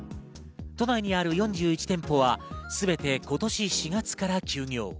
都内にある４１店舗はすべて今年４月から休業。